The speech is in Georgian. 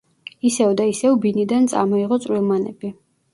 ისევ და ისევ ბინიდან წამოიღო წვრილმანები.